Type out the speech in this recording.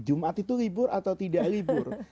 jumat itu libur atau tidak libur